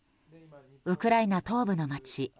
ウクライナ東部の街